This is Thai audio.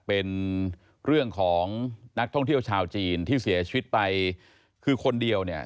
เป็นเรื่องของนักท่องเที่ยวชาวจีนที่เสียชีวิตไปคือคนเดียวเนี่ย